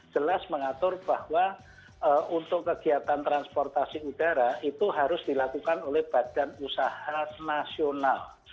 jelas mengatur bahwa untuk kegiatan transportasi udara itu harus dilakukan oleh badan usaha nasional